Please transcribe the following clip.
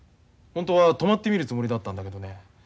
本当は泊まってみるつもりだったんだけどね。